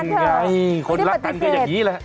เป็นไงคนรักอันหนึ่งอย่างนี้แหละ